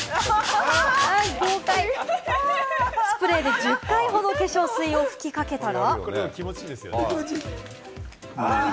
スプレーで１０回ほど化粧水を吹きかけたら。